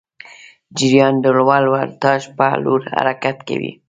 جریان د لوړ ولتاژ پر لور حرکت کوي.